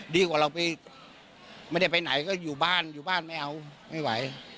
ดีกว่าเราไปไม่ได้ไปไหนก็อยู่บ้านอยู่บ้านไม่เอาไม่ไหว